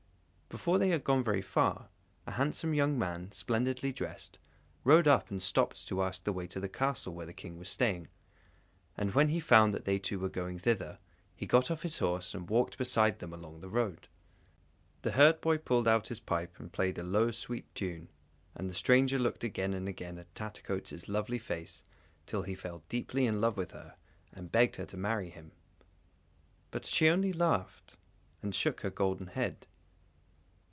Before they had gone very far, a handsome young man, splendidly dressed, rode up and stopped to ask the way to the castle where the King was staying; and when he found that they too were going thither, he got off his horse and walked beside them along the road. The herdboy pulled out his pipe and played a low sweet tune, and the stranger looked again and again at Tattercoats' lovely face till he fell deeply in love with her, and begged her to marry him. But she only laughed, and shook her golden head.